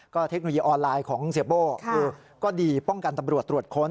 เทคโนโลยีออนไลน์ของเสียโบ้คือก็ดีป้องกันตำรวจตรวจค้น